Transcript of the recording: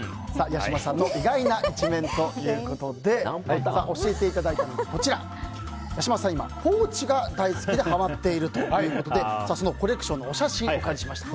八嶋さんの意外な一面ということで教えていただいたのがこちら八嶋さんは今、ポーチが大好きではまっているということでそのコレクションのお写真をお借りしました。